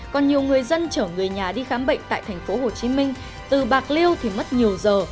còn nhiều người dân chở người nhà đi khám bệnh tại tp hcm từ bạc liêu thì mất nhiều giờ